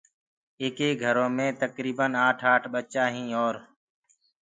ايڪيڪ گھرو مي تڪريٚبن آٺ آٺ ٻچآ هين اور